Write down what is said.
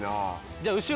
じゃあ。